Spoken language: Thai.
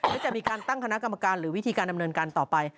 และจะมีการตั้งคณะกรรมการหรือวิธีการดำเนินการต่อไป